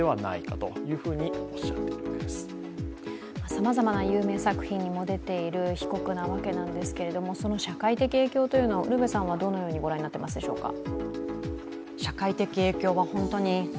さまざまな有名作品にも出ている被告なわけなんですけれども、その社会的影響というのをウルヴェさんはどのように感じているでしょうか。